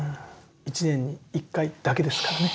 一年に一回だけですからね。